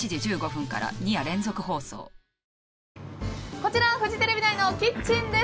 こちらはフジテレビ内のキッチンです。